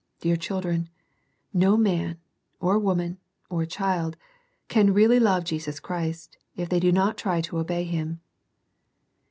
Dear children, no man, or woman, or child, can really love Jesus Christ, if they do not try to obey Him.